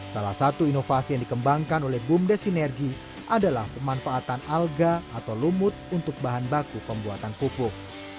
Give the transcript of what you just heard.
salah satu inovasi yang dikembangkan oleh bumdes sinergi adalah pemanfaatan alga atau lumut untuk bahan baku pembuatan pupuk